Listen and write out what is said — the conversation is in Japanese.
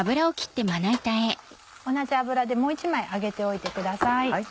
同じ油でもう１枚揚げておいてください。